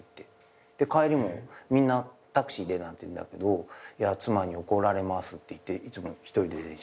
帰りもみんなタクシーでなんて言うんだけど「いや妻に怒られます」って言っていつも１人で電車で。